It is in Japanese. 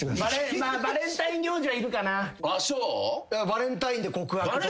バレンタインで告白とか。